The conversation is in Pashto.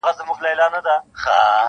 د خپل وطن ګیدړه د بل وطن تر زمري ښه ده -